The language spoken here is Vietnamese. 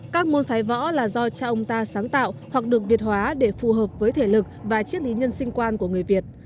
các môn phái võ là do cha ông ta sáng tạo hoặc được việt hóa để phù hợp với thể lực và chiếc lý nhân sinh quan của người việt